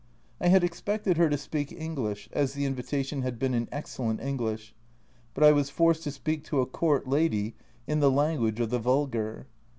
I had expected her to speak English, as the invitation had been in excellent English, but I was forced to speak to a Court lady in the language of the vulgar.